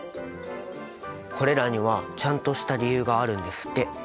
これらにはちゃんとした理由があるんですって。